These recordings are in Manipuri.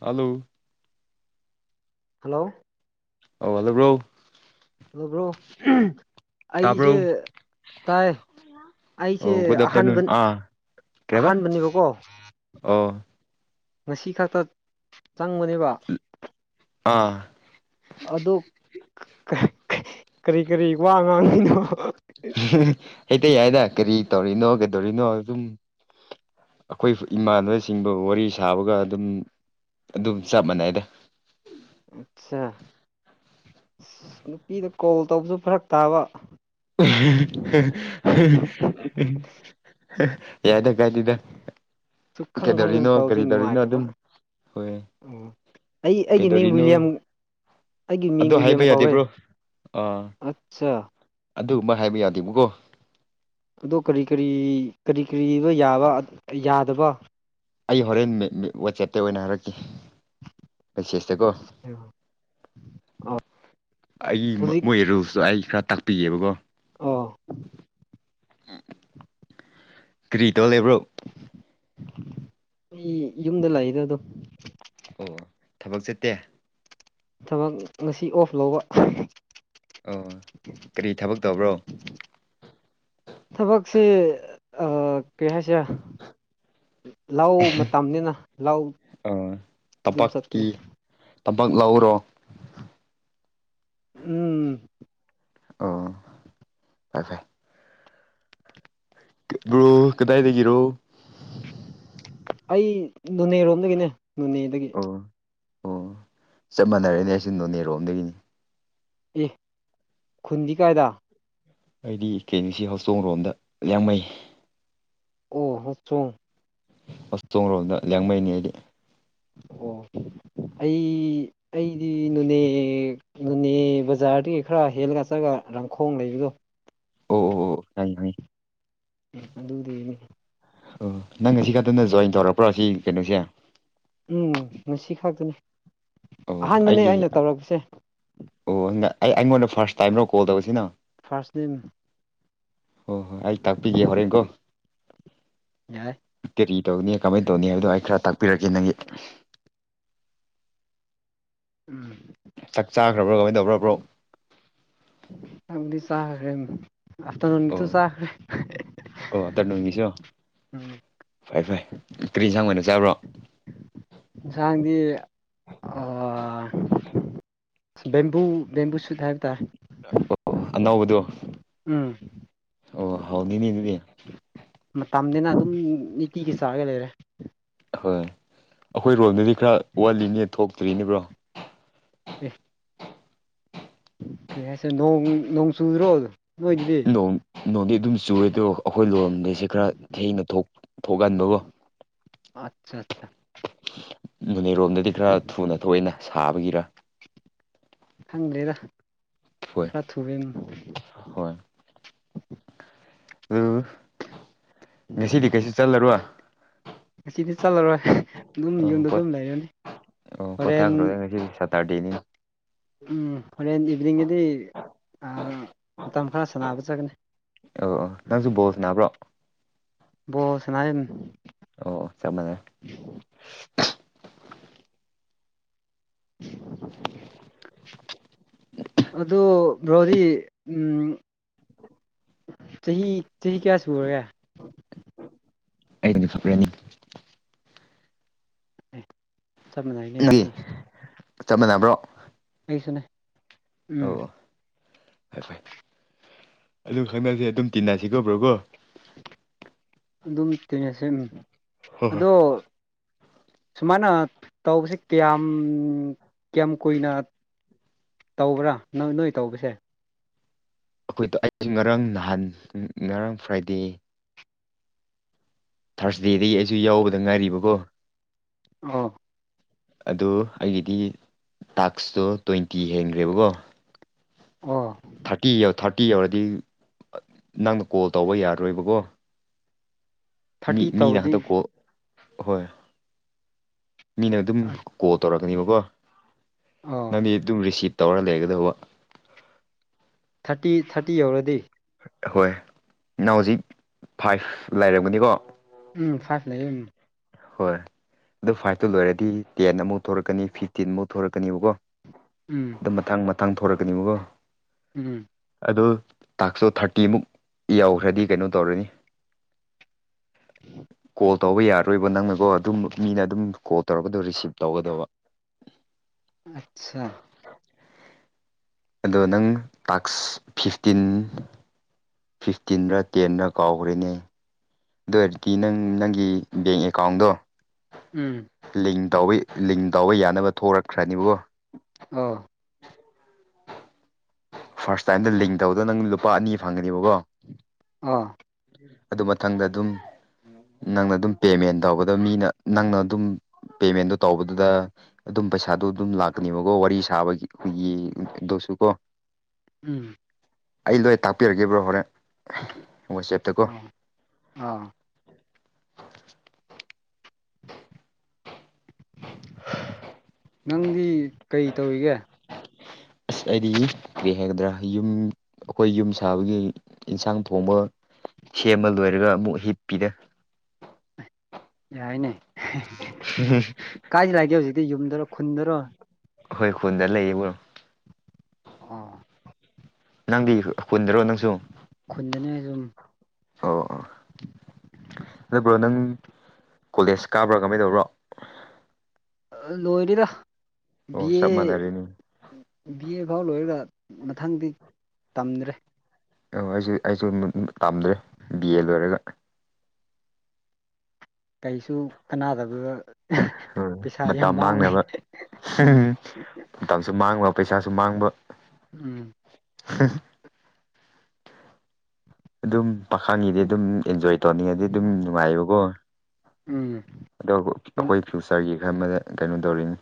ꯍꯜꯂꯣ ꯍꯜꯂꯣ ꯍꯧꯒꯠꯂꯕ꯭ꯔꯣ ꯗ‌ꯣ ꯕ꯭ꯔꯣ ꯎꯝ ꯑꯩꯁꯦ ꯇꯥꯏ ꯑ‌ꯣ ꯑꯩꯁꯦ ꯒꯨꯠꯑꯥꯞꯇꯔꯅꯨꯟ ꯑꯍꯥꯟꯕ ꯑꯥ ꯀꯩꯕꯥ ꯑꯍꯥꯟꯕꯅꯦꯕꯀꯣ ꯑꯣ [inaudible] ꯉꯁꯤ ꯈꯛꯇ ꯆꯪꯕꯅꯦꯕ ꯑꯥ ꯑꯗꯨ ꯀꯩ ꯀꯩ ꯀꯔꯤ ꯀꯔꯤ ꯋꯥ ꯉꯥꯡꯗꯨꯏꯅꯣ ꯍꯩꯇꯩ ꯌꯥꯏꯗ ꯀꯔꯤ ꯇꯧꯔꯤꯅꯣ ꯀꯩꯗꯧꯔꯤꯅꯣ ꯑꯗꯨꯝ ꯑꯈꯣꯏ ꯏꯃꯥꯟꯅꯕ‌ ꯁꯤꯡꯗꯣ ꯋꯥꯔꯤ ꯁꯥꯕꯒ ꯑꯗꯨꯝ ꯑꯗꯨꯝ ꯆꯞ ꯃꯥꯟꯅꯩꯗ ꯑꯠꯆꯥ ꯑ ꯅꯨꯄꯤꯗ ꯀꯣꯜ ꯇꯧꯕꯁꯨ ꯐꯔꯛ ꯇꯥꯕ [inaudible] [inaudible] ꯌꯥꯏꯗ ꯀꯥꯏꯗ‌ꯦꯗ ꯁꯨꯛ ꯈꯪ ꯈꯪꯗꯅ ꯀꯩꯗꯧꯔꯤꯅꯣ ꯇꯧꯕꯁꯦ ꯀꯔꯤꯗꯧꯔꯤꯅꯣ ꯅꯨꯡꯉꯥꯏꯇꯕ ꯑꯗꯨꯝ--ꯍꯣꯏ꯫ ꯑꯣ ꯑꯩ ꯑꯩꯒꯤ ꯃꯤꯡ ꯋꯤꯂꯤꯌꯝ ꯑꯩꯒꯤ ꯃꯤꯡ ꯑꯗꯨ ꯋꯤꯂꯤꯌꯝ ꯍꯥꯏꯕ ꯀꯧꯋꯦ ꯌꯥꯗꯦꯕ꯭ꯔꯣ ꯑꯥ ꯑꯠꯆꯥ ꯑꯗꯨꯒꯨꯝꯕ ꯍꯥꯏꯕ ꯌꯥꯗꯦꯕꯀꯣ ꯑꯗꫭ ꯀꯔꯤ ꯀꯔꯤ ꯀꯔꯤ ꯀꯔꯤꯑꯕ ꯌꯥꯕ ꯌꯥꯗꯕ ꯑꯩ ꯍꯣꯔꯦꯟ ꯋꯥꯆꯦꯞꯇ ꯑꯣꯏꯅ ꯍꯥꯏꯔꯛꯀꯦ--ꯃꯦꯁꯦꯁꯇꯀꯣ꯫ ꯑ ꯑꯩꯒꯤ ꯍꯧꯖꯤꯛ ꯃꯣꯏ ꯔꯨꯜꯁꯇꯣ ꯑꯩ ꯈꯔ ꯇꯥꯛꯄꯤꯒꯦꯕꯀꯣ ꯑ‌ꯣ ꯀ꯭ꯔꯤ ꯇꯧꯔ ꯂꯩꯕ꯭ꯔꯣ ꯑꯩ ꯌꯨꯝꯗ ꯂꯥꯏꯗ ꯗꯨꯝ ꯑꯣ ꯑꯣ ꯊꯕꯛ ꯆꯠꯇꯦ꯫ ꯊꯕꯛ ꯉꯁꯤ ꯑꯣꯐ ꯂꯧꯕ ꯑꯣ ꯀꯔꯤ ꯊꯕꯛ ꯇꯧꯕ꯭ꯔꯣ ꯊꯕꯛꯁ‌ꯦ ꯑꯥ ꯀꯩ ꯍꯥꯏꯁꯤꯔꯥ ꯂꯧ ꯃꯇꯝꯅꯤꯅ--ꯂꯧ ꯑꯣ ꯑꯗꯨꯝ ꯆꯠꯄꯅꯦ ꯇꯝꯄꯥꯛꯀꯤ ꯇꯝꯄꯥꯛ ꯂꯥꯛꯎꯔꯣ꯫ ꯎꯝ ꯑꯣ ꯐꯖꯩ ꯕ꯭ꯔꯣ ꯀꯗꯥꯏꯗꯒꯤꯔꯣ꯫ ꯑꯩ ꯅꯣꯅꯦꯔꯣꯝꯗꯒꯤꯅꯦ ꯅꯣꯅꯦꯗꯒꯤ ꯑꯣ ꯑꯣ ꯆꯞ ꯃꯥꯟꯅꯔꯦꯅꯦ ꯑꯩꯁꯨ ꯅꯣꯅꯦꯔꯣ ꯑꯝꯗꯒꯤꯅꯤ ꯑꯦ ꯈꯨꯟꯗꯤ ꯀꯥꯏꯗ ꯑꯩꯗꯤ ꯀ‌‌ꯦ ꯑꯦꯝ ꯁꯤ ꯍ‌ꯣꯁꯊ‌ꯣ ꯔ‌ꯣꯝꯗ ꯌꯥꯡꯃꯩ ꯑꯣ ꯍꯥꯎꯆꯣꯡ ꯍꯞꯇ‌ꯣ ꯔ‌ꯣꯜꯗ ꯌꯦꯡꯃꯩꯅꯦ ꯑꯩꯗꯤ ꯑꯣ ꯑꯩ ꯑꯩꯗꯤ ꯅꯨꯅꯦ ꯅꯣꯅꯦ ꯕꯖꯥꯔꯗꯒꯤ ꯈꯔ ꯆꯦꯜꯂꯒ ꯆꯠꯂꯒ ꯔꯪꯈꯣꯡ ꯂꯩꯕꯗꯣ ꯑꯣ ꯑꯣ ꯑꯣ ꯈꯪ ꯈꯪꯏ ꯑꯗꯨꯗꯤ ꯎꯝ ꯑꯣ ꯅꯪ ꯉꯁꯤ ꯈꯛꯇꯅ ꯖꯣꯏꯟ ꯇꯧꯔꯛꯄ꯭ꯔꯣ ꯁꯤ ꯀꯩꯅꯣꯁꯦ ꯎꯝ ꯉꯁꯤ ꯈꯛꯇꯅꯤ꯫ ꯑꯣ ꯑꯍꯥꯟꯕꯅꯦ ꯑꯩꯒꯤ ꯑꯩꯅ ꯇꯧꯔꯛꯄꯁꯦ ꯑꯣ ꯑꯩ ꯑꯩꯉꯣꯟꯗ ꯐꯥꯔꯁ ꯇꯥꯏꯝꯔꯣ ꯀꯣꯜ ꯇꯧꯕꯁꯤꯅ ꯐꯥꯔꯁ ꯗ‌ꯦꯅ‌ꯦ ꯍꯣꯏ ꯍꯣꯏ ꯑꯩ ꯇꯥꯛꯄꯤꯒꯦ ꯍꯣꯔꯦꯟꯀꯣ ꯌꯥꯏ ꯀꯦꯔꯤ ꯇꯧꯅꯤ ꯀꯃꯥꯏ ꯇꯧꯅꯤ ꯍꯥꯏꯕꯗꯣ ꯑꯩ ꯈꯔ ꯇꯥꯛꯄꯤꯔꯛꯒꯦ ꯅꯪꯒꯤ ꯎꯝ ꯆꯥꯛ ꯆꯥꯈ꯭ꯔꯕ꯭ꯔꯣ ꯀꯃꯥꯏꯅ ꯇꯧꯒꯔ ꯕ꯭ꯔꯣ ꯆꯕꯨꯗꯤ ꯆꯥꯈ꯭ꯔꯦ ꯑꯐꯇꯔꯅꯨꯟꯒꯤ ꯗ‌ꯣ ꯑꯣ ꯆꯥꯈ꯭ꯔꯦ ꯑꯣ ꯑꯞꯇꯔꯅꯨꯟꯒꯤ‌ꯖꯨ ꯎꯝ ꯐꯩ ꯐꯩ ꯀꯔꯤ ꯏꯟꯁꯥꯡ ꯑꯣꯏꯅ ꯆꯥꯕ꯭ꯔꯣ ꯏꯟꯁꯥꯡꯗꯤ ꯑꯥ ꯕꯦꯝꯕꯨ ꯕꯦꯝꯕꯨ ꯁꯨꯠ ꯍꯥꯏꯕ ꯇꯥꯏ ꯑꯣ ꯑ‌‌ꯣ ꯑꯅꯧꯕꯗꯨ ꯎꯝ ꯑꯣ ꯍꯥꯎꯅꯤꯅꯦ ꯑꯗꯨꯗꯤ ꯃꯇꯝꯅꯤꯅ ꯑꯗꯨꯝ ꯅꯤꯇꯤꯒꯤ ꯆꯥꯔꯒ ꯂꯩꯔꯦ ꯍꯣꯏ ꯑꯩꯈꯣꯏ ꯔꯣꯝꯗꯗꯤ ꯈꯔ ꯋꯥꯠꯂꯤꯅꯦ ꯊꯣꯛꯇ꯭ꯔꯤꯅ‌ꯦ ꯕ꯭ꯔꯣ ꯑꯦ ꯀꯔꯤ ꯍꯥꯏꯁꯦ ꯅ‌ꯣꯡ ꯅꯣꯡ ꯆꯨꯗ꯭ꯔꯣ ꯅꯣꯏꯗꯨꯗꯤ ꯅ‌ꯣꯡ ꯅꯣꯡꯗꯤ ꯑꯗꯨꯝ ꯆꯨꯑꯦ ꯑꯗꯣ ꯑꯩꯈꯣꯏ ꯂꯣꯏꯔꯝꯗꯁꯦ ꯈꯔ ꯊꯦꯡꯅ ꯊꯣꯛꯍꯟꯕꯀꯣ ꯑꯆꯥ ꯆꯥ ꯃꯅꯦꯔꯣꯝꯗꯗꯤ ꯈꯔ ꯊꯨꯅ ꯊꯣꯛꯑꯦꯅ ꯁꯥꯕꯒꯤꯔ ꯈ‌ꯪꯗ‌ꯦꯗꯥ ꯍꯣꯏ [unintelligible] ꯎꯝ ꯉꯁꯤꯗꯤ ꯀꯩꯁꯨ ꯆꯠꯂꯔꯣꯏ ꯉꯁꯤꯗꯤ ꯆꯠꯂꯔꯣꯏ ꯑꯗꯨꯝ ꯑꯣ ꯌꯨꯝꯗ ꯄꯣꯠ ꯑꯗꯨꯝ ꯂꯩꯔꯅꯤ ꯍꯣꯔꯦꯟ ꯇꯔꯗ‌ꯦꯅ‌ꯦ ꯎꯝ ꯍꯣꯔꯦꯟ ꯏꯚꯤꯅꯤꯡꯒꯗꯤ ꯑꯥ ꯃꯇꯝ ꯈꯔ ꯁꯥꯟꯅꯕ ꯆꯠꯀꯅꯤ ꯑ ꯑꯣ ꯅꯪꯁꯨ ꯕꯣꯜꯁ ꯅꯥꯕ꯭ꯔꯣ ꯕꯣꯜ ꯁꯅꯥꯥꯏ꯫ ꯑꯣ ꯆꯞꯃꯅꯩ [inaudible] [inaudible] ꯑꯗ‌ꯣ ꯕ꯭ꯔꯣꯗꯤ ꯎꯝ ꯆꯍꯤ ꯆꯍꯤ ꯀꯌꯥ ꯁꯨꯔꯒꯦ ꯑꯩꯗꯤ [unintelligible] [unintelligible] ꯃꯥꯟꯅꯩꯅꯦ ꯅ ꯑꯗꯨꯁꯨ ꯆꯞ ꯃꯥꯟꯅꯕ꯭ꯔꯣ ꯑꯩꯁꯨꯅꯦ ꯎꯝ ꯑꯣ ꯑꯣ ꯐꯩ ꯐꯩ ꯑꯗꯨ ꯍꯟꯗꯛꯇꯤ ꯑꯗꯨꯝ ꯇꯤꯟꯅꯁꯤꯀꯣꯕ꯭ꯔꯣꯀꯣ꯫ ꯑꯗꯨꯝ ꯇꯤꯟꯅꯁꯦꯟ ꯍꯣꯏ ꯍꯣꯏ ꯑꯗꯣ ꯁꯨꯃꯥꯏꯅ ꯇꯧꯕꯁꯦ ꯀꯌꯥꯝ ꯀꯌꯥꯝ ꯀꯨꯏꯅ ꯇꯧꯕ꯭ꯔꯥ ꯅ ꯅꯣꯏ ꯇꯧꯕꯁꯦ ꯑꯩꯈꯣꯏꯗꯣ ꯑꯩꯁꯨ ꯉꯔꯥꯡ ꯅꯍꯥꯟ ꯉꯔꯥꯡ ꯐ꯭ꯔꯥꯏꯗꯦ ꯊ꯭ꯔꯁꯗꯦꯗꯒꯤ ꯑꯩꯖꯨ ꯌꯥꯎꯕꯗ ꯉꯥꯏꯔꯤꯕꯀꯣ ꯑ‌ꯣ ꯑꯗꯣ ꯑꯩꯒꯤꯗꯤ ꯇꯥꯛꯁꯇꯣ ꯇ꯭ꯋꯦꯟꯇꯤ ꯍꯦꯟꯒ꯭ꯔꯦꯕꯀꯣ ꯑ ꯊꯥꯔꯇꯤ ꯌ ꯊꯥꯔꯇꯤ ꯌꯧꯔꯗꯤ ꯅꯪꯅ ꯀꯣꯜ ꯇꯧꯕ ꯌꯥꯔꯣꯏꯕꯀꯣ ꯃꯤ ꯊꯥꯔꯇꯤ ꯃꯤꯅ ꯇꯧꯔꯗꯤ ꯍꯟꯇꯛ ꯀ꯭ꯔ‌ꯣ ꯍꯣꯏ ꯃꯤꯅ ꯑꯗꯨꯝ ꯀꯣꯜ ꯇꯧꯔꯛꯀꯅꯦꯕꯀꯣ ꯑꯣ ꯅꯪꯗꯤ ꯑꯗꯨꯝ ꯔꯤꯁꯤꯞ ꯇꯧꯔ ꯂꯩꯒꯗꯧꯕ ꯊꯥꯔꯇꯤ ꯊꯥꯔꯇꯤ ꯌꯧꯔꯗꯤ ꯍꯣꯏ ꯅ ꯍꯧꯖꯤꯛ ꯐꯥꯏꯚ ꯂꯩꯥꯏꯔꯝꯒꯅꯤꯀꯣ ꯎꯝ ꯐꯥꯏꯚ ꯂꯩꯌꯦ ꯎꯝ ꯍꯣꯏ ꯑꯗꯨ ꯐꯥꯏꯚꯇꯨ ꯂꯣꯏꯔꯗꯤ ꯇꯦꯟ ꯑꯃꯨꯛ ꯊꯣꯔꯛꯀꯅꯤ ꯐꯤꯐꯇꯤꯟ ꯑꯃꯨꯛ ꯊꯣꯔꯛꯀꯅꯤꯕꯀꯣ ꯎꯝ ꯑ ꯃꯇꯥꯡ ꯃꯇꯥꯡ ꯊꯣꯔꯛꯀꯅꯤꯕꯀꯣ ꯎꯝ ꯑ ꯇꯥꯛꯁꯨ ꯊꯥꯔꯇꯤꯃꯨꯛ ꯌꯥꯎꯈ꯭ꯔꯗꯤ ꯀꯩꯅꯣ ꯇꯧꯔꯅꯤ [unintelligible] ꯀꯣꯜ ꯇꯧꯕ ꯌꯥꯔꯔꯣꯏꯕ ꯅꯪꯅꯒꯣ ꯑꯗꯨꯝ ꯃꯤꯅ ꯑꯗꯨꯝ ꯀꯣꯜ ꯇꯧꯔꯛꯀꯗꯣ ꯔꯤꯁꯤꯞ ꯇꯧꯒꯗꯕ ꯑꯆꯥ ꯑꯗꯣ ꯅꯪ ꯇꯥꯛꯁ ꯐꯤꯐꯇꯤꯟ ꯐꯤꯐꯇꯤꯟꯗ ꯇꯦꯟꯗ ꯀꯥꯎꯈ꯭ꯔꯤꯅꯦ ꯑꯗꯨ ꯑꯣꯏꯔꯗꯤ ꯅꯪ ꯅꯪꯒꯤ ꯕꯦꯡ ꯑꯦꯀꯥꯎꯟꯗꯣ ꯎꯝ ꯂ ꯇꯧꯕ ꯂꯤꯡ ꯇꯧꯕ ꯌꯥꯅꯕ ꯊꯣꯛꯣꯔꯛꯈ꯭ꯔꯅꯤꯕꯣ ꯑꯥ ꯐꯥꯔꯁ ꯇꯥꯏꯝꯗ ꯂꯤꯡ ꯇꯧꯗ ꯅꯪ ꯂꯨꯄꯥ ꯑꯅꯤ ꯐꯪꯒꯅꯦꯕꯀꯣ ꯑꯣ ꯑꯗꯨ ꯃꯊꯪꯗ ꯑꯗꯨꯝ ꯅꯪꯅ ꯑꯗꯨꯝ ꯄꯦꯃꯦꯟ ꯇꯧꯕꯗ ꯃꯤꯅ ꯅꯪꯅ ꯑꯗꯨꯝ ꯄꯦꯃꯦꯟꯗꯣ ꯇꯧꯕꯗꯨꯗ ꯑꯗꯨꯝ ꯄꯩꯁꯥꯗꯣ ꯑꯗꯨꯝ ꯂꯥꯛꯀꯅꯦꯕꯀꯣ ꯋꯥꯔꯤ ꯁꯥꯕ ꯑꯩꯈꯣꯏꯒꯤ ꯑꯗꯨꯁꯨ ꯀꯣ ꯎꯝ ꯑꯩ ꯂꯣꯏ ꯇꯥꯛꯄꯤꯔꯒꯦꯕ꯭ꯔꯣ ꯍꯣꯔꯦꯟ--ꯋꯥꯆꯦꯞꯇꯀꯣ ꯑꯣ ꯑꯥ ꯅꯪꯗꯤ ꯀꯩ ꯇꯧꯔꯤꯒꯦ ꯑꯩꯗꯤ ꯀꯔꯤ ꯍꯥꯏꯒꯗ꯭ꯔ‌ ꯌꯨꯝ ꯑꯩꯈꯣꯏ ꯌꯨꯝ ꯑꯈꯣꯏ ꯌꯨꯝ ꯁꯥꯕꯒꯤ ꯏꯟꯁꯥꯡ ꯊꯣꯡꯕ ꯁꯦꯝꯃ ꯂꯣꯏꯔꯒ ꯑꯃꯨꯛ ꯍꯤꯠ ꯄꯤꯗ ꯌꯥꯏꯅꯦ ꯎꯝ ꯀꯥꯏꯁꯤ ꯂꯥꯛꯏꯒꯦ ꯍꯧꯖꯤꯛꯇꯤ ꯌꯨꯝꯗꯔꯣ ꯈꯨꯟꯗꯔꯣ ꯍꯈꯣꯏ ꯈꯨꯣꯟꯗ ꯂꯩꯌꯦꯕꯣ ꯑ ꯅꯪꯗꯤ ꯀꯨꯟꯗ꯭ꯔꯣ ꯅꯪꯁꯨ ꯈꯨꯟꯗꯅꯦ ꯁꯨꯝ ꯑꯣ꯫ ꯑꯗꯨ ꯕ꯭ꯔꯣ ꯅꯪ ꯀꯣꯂꯦꯖ ꯀꯥꯕ꯭ꯔꯥ ꯀꯃꯥꯏ ꯇꯧꯕ꯭ꯔꯣ꯫ ꯑ ꯂꯣꯏꯔꯤꯗ ꯑꯣ ꯕꯤ ꯆꯞ ꯑꯦ ꯃꯥꯟꯅꯔꯦꯅꯦ ꯕꯤ ꯑꯦ ꯐꯥꯎ ꯂꯣꯏꯔꯒ ꯃꯊꯪꯗꯤ ꯇꯝꯗ꯭ꯔꯦ꯫ ꯑꯣ ꯑꯩꯁꯨ ꯑꯩꯁꯨ [unintelligible] ꯇꯝꯗ꯭ꯔꯦ ꯕꯤ ꯑꯦ ꯂꯣꯏꯔꯒ꯫ ꯀꯩꯁꯨ ꯀꯅꯥꯗꯕꯗꯨꯗ ꯁꫭꯏ ꯃꯇꯝ ꯃꯥꯡꯅꯕ꯫ [unintelligible] ꯎꯝ ꯃꯇꯝꯁꯨ ꯃꯥꯡꯕ ꯄꯩꯁꯥꯁꯨ ꯃꯥꯡꯕ꯫ ꯎꯝ꯫ [unintelligible] ꯑꯗꯨꯝ ꯄꯥꯈꯪꯒꯤꯗꯤ ꯑꯗꯨꯝ ꯑꯦꯟꯖꯣꯏ ꯇꯧꯅꯤꯡꯉꯗꯤ ꯑꯗꯨꯝ ꯅꯨꯡꯉꯥꯏꯌꯦꯕꯀꯣ꯫ ꯎꯝ ꯑꯗꯣ ꯑꯩꯈꯣꯏ ꯐ꯭ꯌꯨꯆꯔꯒꯤ ꯈꯔ ꯑꯃꯗ ꯀꯩꯅꯣ ꯗꯧꯔꯤꯅꯤ꯫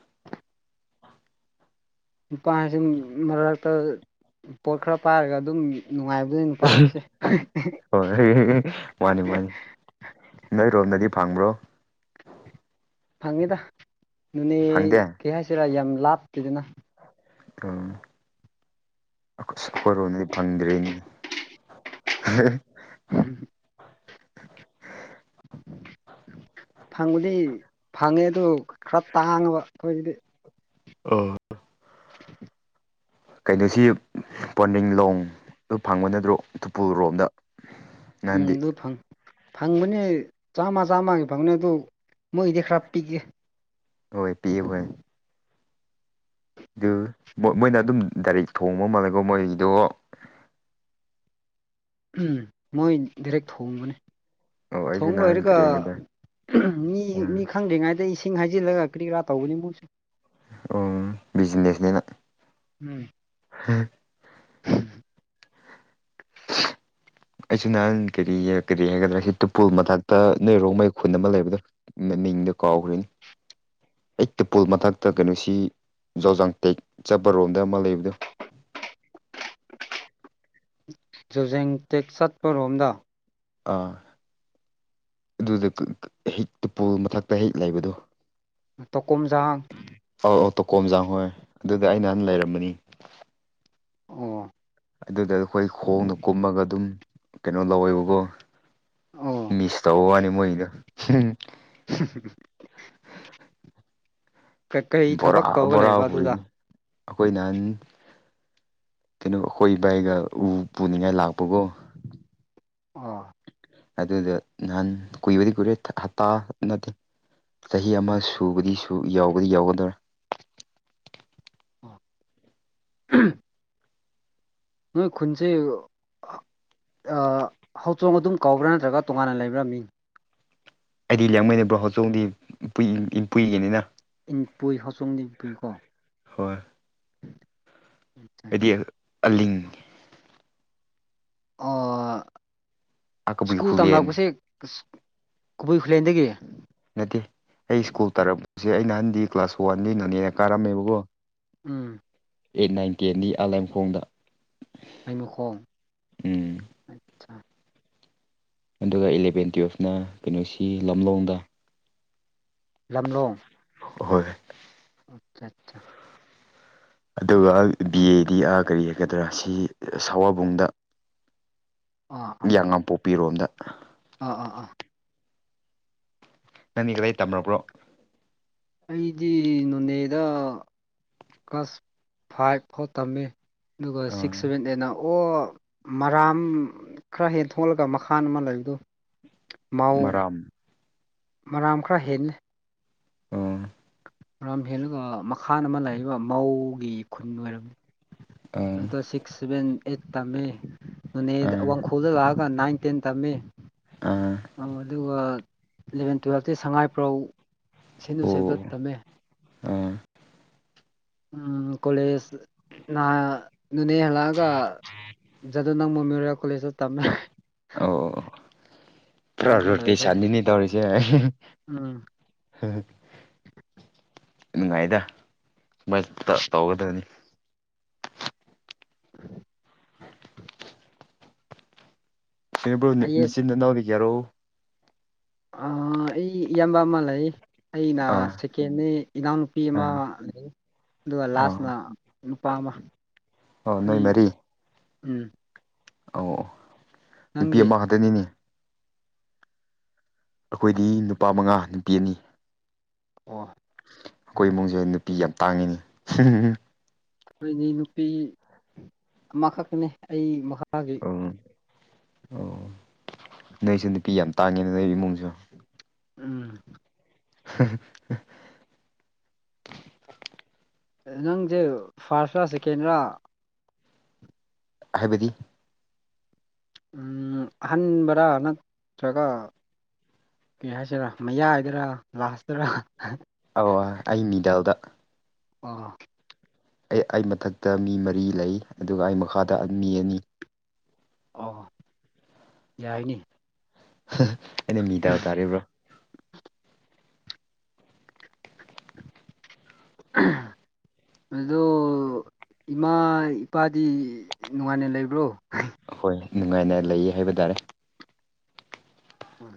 ꯅꯨꯄꯥ ꯍꯥꯌꯕꯁꯤ ꯃꯔꯛꯇ ꯄꯣꯠ ꯈꯔ ꯄꯥꯏꯔꯒ ꯑꯗꯨꯝ ꯅꯨꯡꯉꯥꯏꯕꯗ ꯅꯨꯄꯥ ꯍꯥꯏꯁꯦ꯫ ꯍꯣꯏ ꯃꯥꯅꯤ ꯃꯥꯅꯤ [unintelligible] ꯅꯣꯏꯔꯣꯝꯗꯗꯤ ꯐꯪꯕ꯭ꯔꯣ꯫ ꯐꯪꯉꯦꯗ ꯅꫭꯅꯦ ꯐꯪꯗꯦ ꯀꯩ ꯍꯥꯏꯁꯤꯔꯥ ꯌꯥꯝ ꯂꯥꯞꯇꯦꯗꯅ꯫ ꯑꯣ꯫ ꯑꯁ ꯑꯩꯈꯣꯏꯔꯣꯝꯗꯗꯤ ꯐꯪꯗ꯭ꯔ‌ꯦꯅ‌ꯦ꯫ [unintelligible] [unintelligible] ꯐꯪꯕꯗꯤ ꯐꯪꯉꯦ ꯑꯗꯨ ꯈꯔ ꯇꯥꯡꯉꯕ ꯈꯣꯏꯒꯤꯗꯤ꯫ ꯑꯣ꯫ [unintelligible] ꯀꯩꯅꯣꯁꯤ ꯄꯣꯟꯗꯤꯡ ꯂꯣꯡꯗ ꯐꯪꯕ ꯅꯠꯇ꯭ꯔꯣ ꯇꯨꯄꯨꯜ ꯔꯣꯝꯗ꯫ ꯎꯝ ꯑꯗꯨ ꯐꯪ ꯐꯪꯕꯅꯦ ꯆꯥꯝꯃ ꯆꯥꯝꯃꯒꯤ ꯐꯪꯕꯅꯦ ꯑꯗꯨꯗ ꯃꯣꯏꯒꯤꯗꯤ ꯈꯔ ꯄꯤꯛꯑꯦ꯫ ꯍꯣꯏ ꯄꯤꯛꯑꫭ ꯍꫭꯏ꯫ ꯗꯨ ꯃꫭꯏ ꯃꯣꯏꯅ ꯑꯗꯨꯝ ꯗꯥꯏꯔꯦꯛ ꯊꯣꯡꯕ ꯃꯥꯜꯂꯦꯀꯣ ꯃꯣꯏꯒꯤꯗꯣ꯫ ꯎꯝ ꯃꯣꯏ ꯗꯥꯏꯔꯦꯛ ꯊꯣꯡꯕꯅꯦ꯫ ꯑꯣ ꯑꯩꯁꯨ ꯊꯣꯡ ꯅꯍꯥꯟ ꯂꯣꯏꯔꯒ ꯀꯔꯤ ꯍꯥꯏꯒꯗ꯭ꯔꯥ ꯃꯤ ꯃꯤ ꯎꯝ ꯈꯪꯗ꯭ꯔꯤꯉꯩꯗ ꯏꯁꯤꯡ ꯍꯥꯏꯖꯤꯜꯂꯒ ꯀ꯭ꯔꯤ ꯀ꯭ꯔꯥ ꯇꯧꯕꯅꯤ ꯃꫭꯏꯁꯨ꯫ ꯑꫭ ꯕꯤꯖꯤꯅꯦꯁꯅꯤꯅ꯫ ꯎꯝ꯫ [unintelligible] [inaudible] ꯑꯩꯁꯨ ꯅꯍꯥꯟ ꯀꯔꯤ ꯀꯔꯤ ꯍꯥꯏꯒꯗ꯭ꯔꯥ ꯁꯤ ꯇꯨꯄꯨꯜ ꯃꯊꯛꯇ ꯅꯣꯏꯔꯣꯡꯃꯩ ꯈꯨꯟ ꯑꯃ ꯂꯩꯕꯗꯣ꯫ ꯃꯤꯡꯗꯣ ꯀꯥꯎꯈ꯭ꯔꯦꯅꯦ꯫ ꯑꯩꯠ ꯇꯨꯄꯨꯜ ꯃꯊꯛꯇ ꯀꯩꯅꯣꯁꯤ ꯖꯧꯖꯥꯡ ꯇꯦꯛ ꯆꯠꯄꯔꯣꯝꯗ ꯑꯃ ꯂꯩꯕꯗꯣ꯫ ꯖꯨꯖꯦꯡ ꯇꯦꯛ ꯆꯠꯄꯔꯣꯝꯗ꯫ ꯑꯥ꯫ ꯑꯗꯨꯗ ꯀ ꯀ ꯍꯤ ꯇꯨꯄꯨꯜ ꯃꯊꯛꯇ ꯍꯦꯛ ꯂꯩꯕꯗꯣ꯫ ꯇꯣꯀꯨꯝꯖꯍꯥꯡ꯫ ꯑꯧ ꯑꯣ ꯇꯣꯀꯣꯝꯖꯥꯡ ꯍꯣꯏ ꯑꯗꯨꯗ ꯑꯩ ꯅꯍꯥꯟ ꯂꯩꯔꯝꯕꯅꯤ꯫ ꯑꯣ꯫ ꯑꯗꯨꯗ ꯑꯩꯈꯣꯏ ꯈꯣꯡꯅ ꯀꯨꯝꯃꯒ ꯑꯗꯨꯝ ꯀꯩꯅꯣ ꯂꯧꯋꯦꯕꯀꯣ ꯑꯣ ꯃꯤꯁ ꯇꯧꯕ ꯋꯥꯅꯦ ꯃꯣꯏꯒꯤꯗꫭ꯫ [unintelligible] ꯀꯩꯀꯩ ꯕꯣꯔꯥ ꯊꯕꯛ ꯇꯧꯔꯒ ꯕꯣꯔꯥ ꯂꯩꯕ ꯑꯗꯨꯗ ꯄꯨꯔꯤꯅꯤ꯫ ꯑꯩꯈꯣꯏ ꯅꯍꯥꯟ ꯀꯩꯅꯣ ꯑꯩꯈꯣꯏ ꯏꯕꯥꯏꯒ ꯎ ꯄꯨꯅꯤꯡꯉꯥꯏ ꯂꯥꯛꯄꯒꯣ꯫ ꯑꯣ꯫ ꯑꯗꯨꯗ ꯅꯍꯥꯟ ꯀꯨꯏꯕꯗꯤ ꯀꯨꯏꯔꯦ ꯍꯞꯇꯥ ꯅꯠꯇꯦ꯫ ꯆꯍꯤ ꯑꯃ ꯁꯨꯕꯗꯤ ꯌꯥꯎꯕꯗꯤ ꯌꯥꯎꯒꯗꯧꯔꯥ ꯑꯣ ꯑꯍꯝ ꯅꯣꯏ ꯈꯨꯟꯁꯦ--ꯑꯣ ꯍꯧꯆꯣꯡ ꯑꯗꯨꯝ ꯀꯧꯕ꯭ꯔꯥ ꯅꯠꯇ꯭ꯔꯒ ꯇꯣꯉꯥꯟꯅ ꯂꯩꯕ꯭ꯔꯥ ꯃꯤꯡ ꯑꯩꯗꯤ ꯂꯦꯡꯃꯩꯗꯕ꯭ꯔꯣ ꯍꯧꯣꯆꯧꯗꯤ ꯏꯄꯨꯏꯒꯤꯅꯤꯅ ꯏꯟ ꯄꯨꯏ ꯍꯆꯣꯡꯗꯤ ꯄꯨꯨꯏꯀꯣ ꯍꯣꯏ ꯎꯝ [unintelligible] ꯍꯥꯏꯗꯤ ꯑꯂꯤꯡ ꯑꯀꯕꯨꯏ ꯁ꯭ꯀꯨꯜ ꯈꯨꯂꯦꯟ ꯇꯝꯂꯛꯄꯁꯦ ꯀꯕꯨꯏ ꯈꯨꯂꯦꯟꯗꯒꯤ ꯅꯠꯇꯦ ꯑꯩ ꯁ꯭ꯀꯨꯜ ꯇꯥꯔꯛꯄꯁꯦ ꯑꯩ ꯅꯍꯥꯟꯗꯤ ꯀ꯭ꯂꯥꯁ ꯋꯥꯟꯗꯒꯤ ꯅꯣꯅꯦꯗ ꯀꯥꯔꯝꯃꯦꯕꯀꯣ ꯎꯝ ꯑꯩꯠ ꯅꯥꯏꯟ ꯇꯦꯟꯗꯤ ꯂꯩꯃꯈꯣꯡ ꯑꯥꯂꯥꯏꯃꯈꯣꯡꯗ--ꯎꯝ꯫ ꯑꯆꯥ ꯑꯗꯨꯒ ꯏꯂꯕꯦꯟ ꯇꯨꯋꯜꯐꯅ ꯀꯩꯅꯣꯁꯤ ꯂꯝꯂꯣꯡꯗ ꯂꯝꯂꯣꯡ ꯍꯣꯏ ꯑꯆꯥ ꯑꯆꯥ ꯑꯗꯨꯒ ꯕꯤ ꯑꯦꯗꯤ ꯑꯥ ꯀꯔꯤ ꯍꯥꯏꯒꯗ꯭ꯔꯥ ꯁꯤ ꯁꯋꯥꯕꯨꯡꯗ ꯑ ꯌꯦꯉꯥꯡꯄꯣꯛꯄꯤꯔꯣꯝꯗ ꯑꯥ ꯑꯥ ꯑꯥ ꯅꯪꯗꯤ ꯀꯗꯥꯏ ꯇꯝꯂꯛꯕ꯭ꯔꯣ ꯑꯩꯗꯤ ꯅꯣꯅꯦꯗ ꯀ꯭ꯂꯥꯁ ꯐꯥꯏꯚ ꯐꯥꯎ ꯇꯝꯃꯤ ꯑꯗꯨꯒ ꯑꯥ ꯁꯤꯛꯁ ꯁꯚꯦꯟ ꯑꯦꯠꯅ ꯑꯣ ꯃꯔꯥꯝ ꯈꯔ ꯍꯦꯟ ꯊꯣꯛꯂꯒ ꯃꯈꯥꯟ ꯑꯃ ꯂꯩꯕꯗꯨ ꯃꯥꯎ ꯃꯔꯥꯝ ꯃꯔꯥꯡ ꯈꯔ ꯍꯦꯜꯂꯦ ꯑꯣ ꯂꯝ ꯍꯦꯜꯂꯒ ꯃꯈꯥꯗ ꯑꯃ ꯂꯩꯕ ꯃꯧꯒꯤ ꯈꯨꯟ ꯑꯣꯏꯔꯝꯅꯤ ꯑꯥ ꯑꯗꯣ ꯁꯤꯛꯁ ꯁꯚꯦꯟ ꯑꯩꯠ ꯇꯝꯃꯦ ꯑꯋꯥꯡ ꯈꯨꯜꯗ ꯂꯛꯑꯒ ꯅꯥꯏꯟ ꯇꯦꯟ ꯇꯝꯃꯤ ꯑꯥ ꯑꯗꯨꯒ ꯏꯂꯚꯦꯟ ꯇꯨꯋꯦꯜꯐꯇꯤ ꯁꯉꯥꯏꯄ꯭ꯔꯧ ꯁꯦꯅ ꯑꯣ ꯖꯣꯏꯁꯦꯕꯗ ꯇꯝꯃꯦ ꯑꯥ ꯎ ꯀꯣꯂꯦꯖ ꯅꯣꯅꯦ ꯍꯜꯂꯛꯑꯒ ꯖꯗꯣ ꯅꯪ ꯃꯦꯃꯣꯔꯤꯌꯦꯜ ꯀꯣꯂꯦꯖꯇ ꯇꯝꯃꯦ ꯑꯣ ꯄꯨꯔꯥ ꯑꯗꯨꯗ ꯂꯣꯏꯈ꯭ꯔꯦ ꯔꯣꯔꯗꯤꯁꯥꯟꯅꯤꯅꯤ ꯗꯧꯔꯁꯦ ꯍꯝ ꯎꯝ ꯅꯨꯡꯉꯥꯏꯗ ꯁꯨꯃꯥꯏ ꯇꯧꯒꯗꯕꯅꯤ ꯎ ꯍ ꯄ꯭ꯔꯣ ꯑꯥꯏ ꯑꯦꯁ ꯅꯆꯤꯟ ꯏꯅꯥꯎꯗꯤ ꯀꯌꯥꯔꯣ ꯑꯩ ꯏꯌꯥꯝꯕ ꯑꯃ ꯂꯩ ꯑꯩꯅ ꯑꯥ ꯁꯦꯀꯦꯟꯅꯦ ꯏꯅꯥꯎ ꯅꯨꯨꯄꯤ ꯑꯃ ꯑꯥ ꯂꯩ ꯑꯗꯨꯒ ꯑꯥ ꯂꯥꯁꯅ ꯅꯨꯄꯥ ꯑꯃ ꯑꯣ ꯅꯣꯏ ꯑꯩꯈꯣꯏ ꯎꯝ ꯑꯧ ꯅꯨꯄꯤ ꯅꯪꯗꯤ ꯑꯃ ꯈꯥꯛꯇꯅꯤꯅꯦ ꯑꯩꯈꯣꯏꯗꯤ ꯅꯨꯄꯥ ꯃꯉꯥ ꯅꯨꯄꯤ ꯑꯅꯤ ꯑꯣ ꯑꯩꯈꯣꯏ ꯏꯃꯨꯡꯁꯦ ꯅꯨꯄꯤ ꯌꯥꯝ ꯇꯥꯡꯉꯤꯅꯦ ꯑꯩꯈꯣꯏꯗꯤ ꯅꯨꯄꯤ ꯑꯃꯈꯛꯇꯅꯤ ꯑꯩ ꯃꯈꯥ ꯎꯝ ꯑꯣ ꯅꯣꯏꯁꯨ ꯅꯨꯄꯤ ꯌꯥꯝ ꯇꯥꯡꯉꯦꯅ ꯅꯣꯏ ꯏꯃꯨꯡꯁꯨ ꯎꯝ [unintelligible] ꯅꯪꯁꯦ ꯐꯥꯔꯁꯔꯥ ꯁꯦꯀꯦꯟꯔ ꯍꯥꯏꯕꯗꯤ ꯑꯍꯟꯥꯟꯕꯔ ꯅꯠꯇ꯭ꯔꯒ ꯀꯩ ꯍꯥꯏꯁꯤꯔ ꯃꯌꯥꯏꯗꯔꯥ ꯂꯥꯛꯁꯇꯔꯥ ꯑꯧ ꯑꯩ ꯅꯤꯗꯜꯗ ꯑ [inaudible] ꯑꯩ ꯑꯩ ꯃꯊꯛꯇ ꯃꯤ ꯃꯔꯤ ꯂꯩ ꯑꯗꯨꯒ ꯑꯩ ꯃꯈꯥꯗ ꯃꯤ ꯑꯅꯤ ꯑꯣ ꯌꯥꯏꯅꯦ ꯑꯩꯅ ꯃꯤ ꯇꯥꯕ ꯇꯥꯔꯦꯕ꯭ꯔꯣ [inaudible] ꯑꯗꯣ ꯏꯃꯥ ꯏꯄꯥꯗꯤ ꯅꯨꯡꯉꯥꯏꯅ ꯂꯩꯕ꯭ꯔꯣ ꯍꯣꯏ ꯅꯨꯡꯉꯥꯏꯅ ꯂꯩꯌꯦ ꯍꯥꯏꯕ ꯇꯥꯔꯦ ꯎꯝ